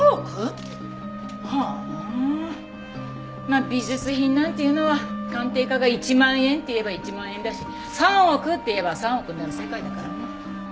まあ美術品なんていうのは鑑定家が１万円って言えば１万円だし３億って言えば３億になる世界だからね。